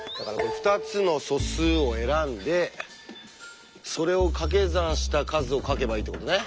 ２つの素数を選んでそれをかけ算した数を書けばいいってことね。